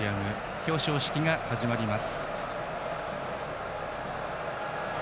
表彰式が始まります。